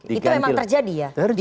itu memang terjadi ya